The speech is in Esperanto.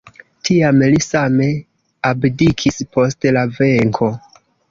Tiam li same abdikis post la venko.